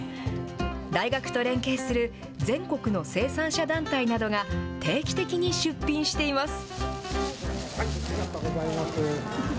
大学と連携する全国の生産者団体などが定期的に出品しています。